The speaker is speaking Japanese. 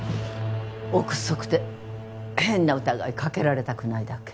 臆測で変な疑いかけられたくないだけ。